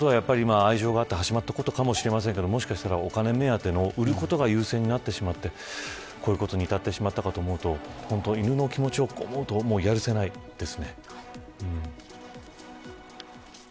もともとは愛情があって始まったかもしれませんがもしかしたら、お金目当ての売ることが優先になってしまってこういうことに至ってしまったのかと思うと犬の気持ちを思うとやるせないです。